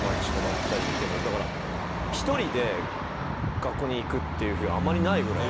だから１人で学校に行くっていう日はあまりないぐらい。